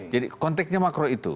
jadi konteknya makro itu